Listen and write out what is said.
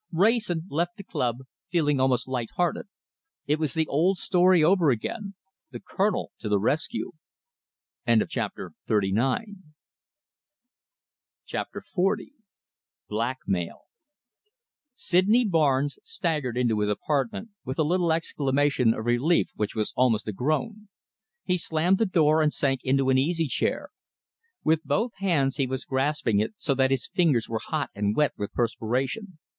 Wrayson left the club, feeling almost light hearted. It was the old story over again the Colonel to the rescue! CHAPTER XL BLACKMAIL Sydney Barnes staggered into his apartment with a little exclamation of relief which was almost a groan. He slammed the door and sank into an easy chair. With both his hands he was grasping it so that his fingers were hot and wet with perspiration.